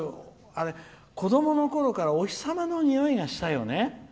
子どものころからお日様のにおいがしたよね。